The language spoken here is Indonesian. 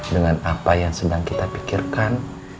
dengan apa yang sedang kita pikirkan